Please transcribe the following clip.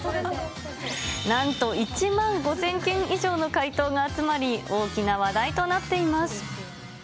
なんと１万５０００件以上の回答が集まり、大きな話題となっています。